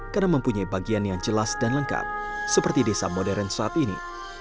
karena mempunyai bagian yang jelas dan lengkap seperti desa modern saat ini